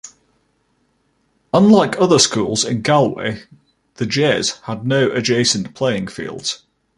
Unlike other schools in Galway, the Jes has no adjacent playing fields.